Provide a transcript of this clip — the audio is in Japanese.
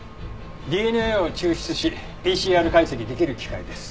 ＤＮＡを抽出しＰＣＲ解析できる機械です。